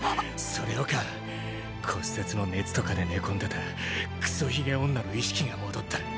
それよか骨折の熱とかで寝込んでたクソ鬚女の意識が戻った。